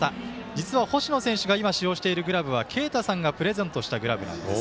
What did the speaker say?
実は星野選手が使用しているグラブはけいたさんがプレゼントしたグラブなんです。